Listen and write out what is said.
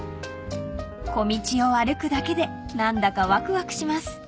［小道を歩くだけで何だかわくわくします］